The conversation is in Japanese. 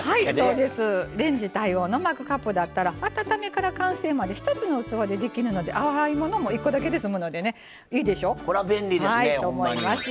レンジ対応のマグカップだったら温めから完成まで一つの器でできるので洗い物も１つで済むので便利ですよね。